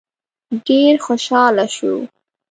ډېر خوشاله شو.